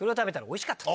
おいしかった。